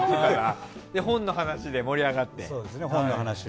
本の話で盛り上がって。